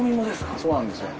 そうなんですよ。